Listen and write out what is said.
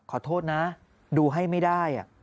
ขอโทษนะดูให้ไม่ได้